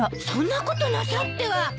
そんなことなさっては。